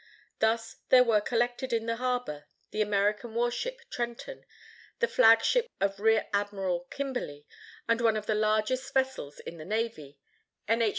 Thus, there were collected in the harbor the American warship Trenton, the flag ship of Rear Admiral Kimberly, and one of the largest vessels in the navy, N. H.